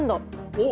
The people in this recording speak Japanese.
おっ！